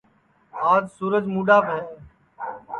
آج سورج مُڈٚاپ ہے